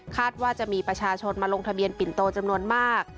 ว่าจะมีประชาชนมาลงทะเบียนปิ่นโตจำนวนมาก